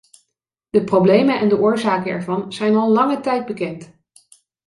De problemen en de oorzaken ervan zijn al lange tijd bekend.